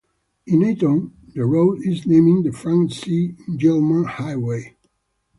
In Alton, the road is named the Frank C. Gilman Highway.